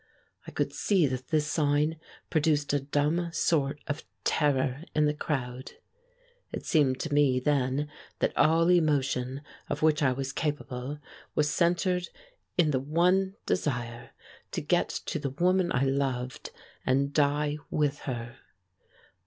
I could see that this sign produced a dumb sort of terror in the crowd. It seemed to me then that all emotion of which I was capable was centered in the one desire to get to the woman I loved and die with her.